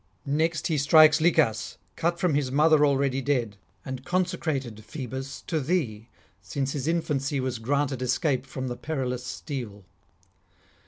Next he strikes Lichas, cut from his mother already dead, and consecrated, Phoebus, to thee, since his infancy was granted escape from the perilous steel.